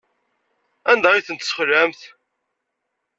Anda ay ten-tesxelɛem?